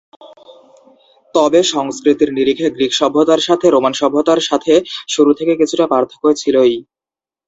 তবে সংস্কৃতির নিরিখে গ্রীক সভ্যতার সাথে রোমান সভ্যতার সাথে শুরু থেকে কিছুটা পার্থক্য ছিলই।